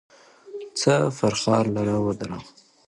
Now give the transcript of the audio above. څه فرخار لره وردرومم